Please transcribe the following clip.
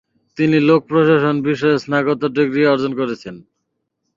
তিনি লোক প্রশাসন বিষয়ে স্নাতকোত্তর ডিগ্রি অর্জন করেছেন।